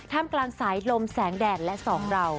กลางสายลมแสงแดดและสองเรา